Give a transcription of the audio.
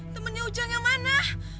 temannya ujang yang mana